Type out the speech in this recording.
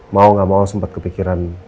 mau gak mau sempat kepikiran